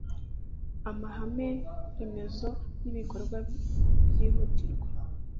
amahame remezo n'ibikorwa byihutirwa